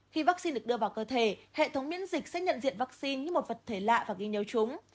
khi vaccine được đưa vào cơ thể hệ thống miễn dịch sẽ nhận diện vaccine như một vật thể lạ và ghi nhớ chúng